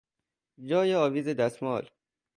جای آویز دستمال